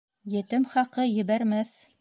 Етем хаҡы ебәрмәҫ.